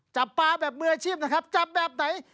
จับปลาแบบมืออาชีพนะครับจับแบบไหน